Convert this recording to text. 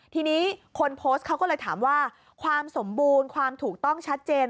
ทีนี้คนโพสต์เขาก็เลยถามว่าความสมบูรณ์ความถูกต้องชัดเจน